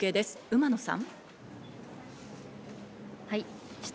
馬野さん。